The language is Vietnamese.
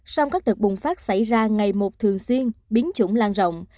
song các đợt bùng phát xảy ra ngày một thường xuyên biến chủng lan rộng